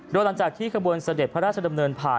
โดยหลังจากที่ขบวนเสด็จพระราชดำเนินผ่าน